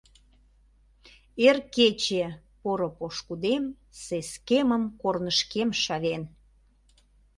Эр кече — поро пошкудем сескемым корнышкем шавен.